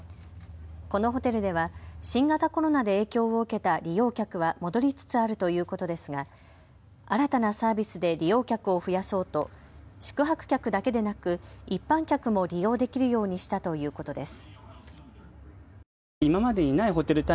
このホテルでは新型コロナで影響を受けた利用客は戻りつつあるということですが新たなサービスで利用客を増やそうと宿泊客だけでなく一般客も利用できるようにしたということです。